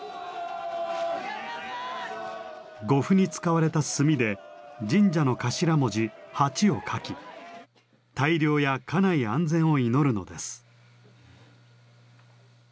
護符に使われた墨で神社の頭文字「八」をかき大漁や家内安全を祈るのです。